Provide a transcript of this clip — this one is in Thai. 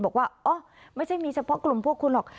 บอกว่าอ๋อไม่ใช่มีเฉพาะกลุ่มพวกคุณหรอก